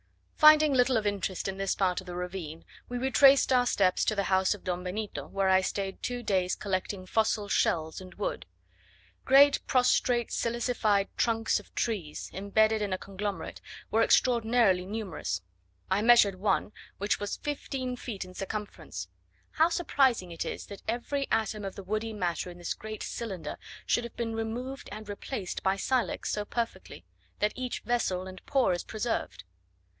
Finding little of interest in this part of the ravine, we retraced our steps to the house of Don Benito, where I stayed two days collecting fossil shells and wood. Great prostrate silicified trunks of trees, embedded in a conglomerate, were extraordinarily numerous. I measured one, which was fifteen feet in circumference: how surprising it is that every atom of the woody matter in this great cylinder should have been removed and replaced by silex so perfectly, that each vessel and pore is preserved!